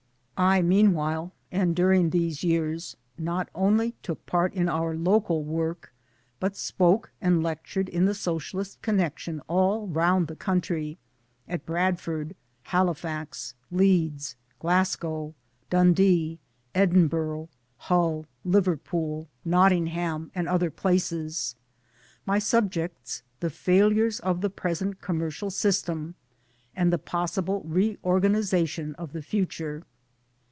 I meanwhile and during these years, not only took part in our local work, but spoke and lectured in the Socialist connection all round the country at Bradford, Halifax, Leeds, Glasgow, Dundee, Edin burgh, Hull, Liverpool, Nottingham and other places my subjects the failures of the present Commer cial system, and the possible reorganization of the future.